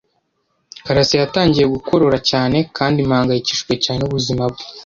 kalisa yatangiye gukorora cyane kandi mpangayikishijwe n'ubuzima bwe.